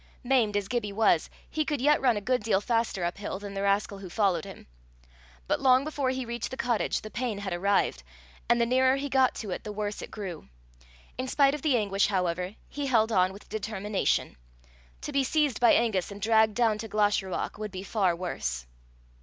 Maimed as Gibbie was, he could yet run a good deal faster up hill than the rascal who followed him. But long before he reached the cottage, the pain had arrived, and the nearer he got to it the worse it grew. In spite of the anguish, however, he held on with determination; to be seized by Angus and dragged down to Glashruach, would be far worse.